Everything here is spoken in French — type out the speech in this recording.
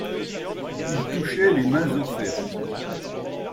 Il touchait les mains offertes.